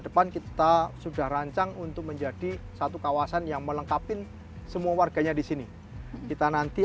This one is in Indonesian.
depan kita sudah rancang untuk menjadi satu kawasan yang melengkapi semua warganya di sini kita nanti